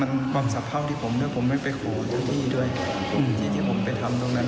มันความสะเพราะที่ผมด้วยผมไม่ไปโขทะที่ด้วยที่ผมไปทำตรงนั้น